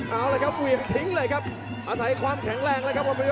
เอาเลยครับวิ่งทิ้งเลยครับอาศัยความแข็งแรงเลยครับวัดประโย